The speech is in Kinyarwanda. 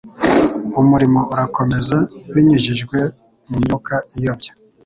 umurimo urakomeza binyujijwe mu myuka iyobya.